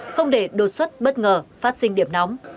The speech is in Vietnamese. không để đột xuất bất ngờ phát sinh điểm nóng